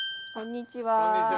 こんにちは。